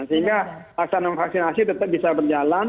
sehingga pelaksanaan vaksinasi tetap bisa berjalan